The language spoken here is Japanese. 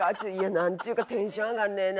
何っちゅうかテンション上がんねえな。